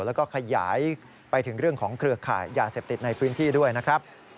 แล้วก็ขยายไปถึงเรื่องของเครือข่ายยาเสพติดในพื้นที่ด้วยนะครับ